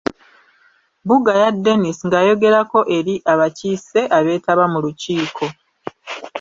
Bugaya Denis ng’ayogerako eri abakiise abeetaba mu lukiiko.